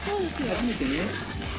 初めてね。